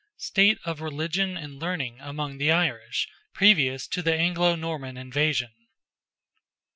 STATE OF RELIGION AND LEARNING AMONG THE IRISH, PREVIOUS TO THE ANGLO NORMAN INVASION.